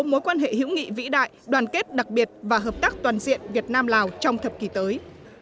mối quan hệ hữu nghị vĩ đại đoàn kết đặc biệt và hợp tác toàn diện việt nam lào trong thập kỷ tới